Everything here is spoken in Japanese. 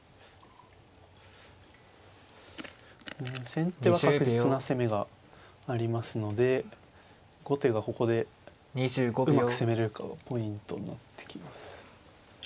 先手は確実な攻めがありますので後手がここでうまく攻めれるかがポイントになってきます。